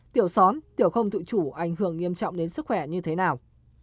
tiểu són tiểu không dự trù ảnh hưởng nghiêm trọng đến sức khỏe như thế nào